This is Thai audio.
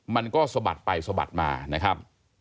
มันก็สะบัดไปสะบัดมานะครับ